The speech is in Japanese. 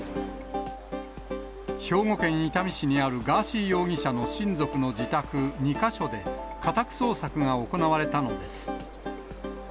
兵庫県伊丹市にあるガーシー容疑者の親族の自宅２か所で家宅捜索が行われたのです。